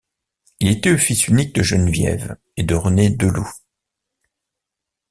Il était le fils unique de Geneviève et de René Deloux.